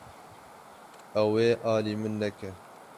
Ew ê alî min neke.